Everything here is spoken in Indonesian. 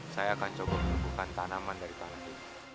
saya akan coba menumpukan tanaman dari tanah ini